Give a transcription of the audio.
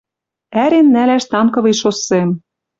Ӓрен нӓлӓш танковый шоссем.